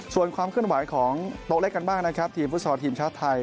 ส่วนความเคลื่อนไหวของโต๊ะเล็กกันบ้างนะครับทีมฟุตซอลทีมชาติไทย